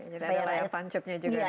jadi ada layar pancapnya juga di situ